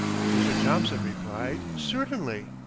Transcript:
Mr. Thomson replied, "Certainly."